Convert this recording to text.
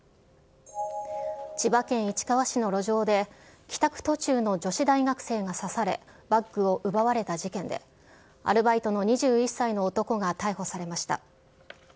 千葉県市川市の路上で、帰宅途中の女子大学生が刺され、バッグを奪われた事件で、アルバイトの２１歳の男が逮捕されました。